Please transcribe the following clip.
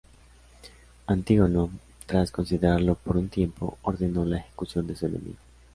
Antígono, tras considerarlo por un tiempo, ordenó la ejecución de su enemigo.